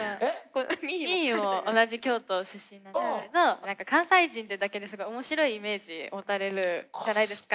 ＭＩＩＨＩも同じ京都出身なんですけど何か関西人ってだけですごい面白いイメージ持たれるじゃないですか。